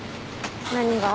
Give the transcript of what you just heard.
何が？